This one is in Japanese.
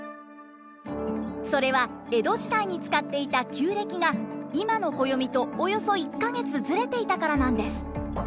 それは江戸時代に使っていた旧暦が今の暦とおよそ１か月ずれていたからなんです。